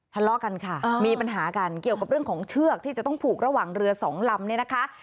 ทะเลาะกันค่ะมีปัญหากันเกี่ยวกับเรื่องของเชือกที่จะต้องผูกระหว่างเรือสองลำเนี่ยนะคะ